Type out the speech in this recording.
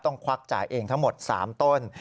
ควักจ่ายเองทั้งหมด๓ต้น